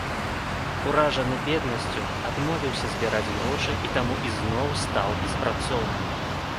Уражаны беднасцю, адмовіўся збіраць грошы і таму ізноў стаў беспрацоўным.